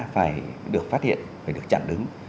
phải được phát hiện phải được chặn đứng